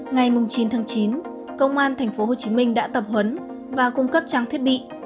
ngày chín tháng chín công an tp hcm đã tập huấn và cung cấp trang thiết bị